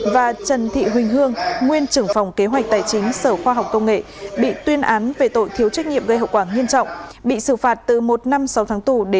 và trần thị huỳnh hương nguyên trưởng phòng kế hoạch tài chính sở khoa học công nghệ